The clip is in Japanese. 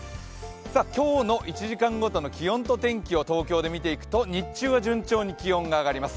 今日の１時間ごとの気温と天気を東京で見ていくと日中は順調に気温が上がっていきます。